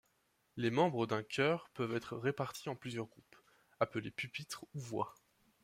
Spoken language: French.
Les membres d'un chœur peuvent être répartis en plusieurs groupes, appelés pupitres ou voix.